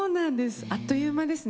あっという間です。